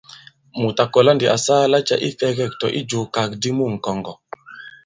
Mùt à kɔ̀la ndī à saa lacɛ̄ ifɛ̄gɛ̂k- tɔ̀ ijùwàgàdi àmu ŋ̀kɔ̀ŋgɔ̀ ?